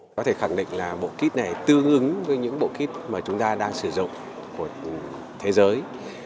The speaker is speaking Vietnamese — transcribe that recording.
có thể khẳng định là bộ kit này tương ứng với những bộ kit mà chúng ta đang sử dụng của thế giới